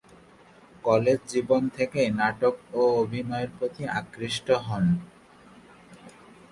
College জীবন থেকেই নাটক ও অভিনয়ের প্রতি আকৃষ্ট হন।